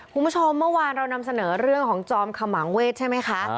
คุณผู้ชมเมื่อวานเรานำเสนอเรื่องของจอมขมังเวทใช่ไหมคะ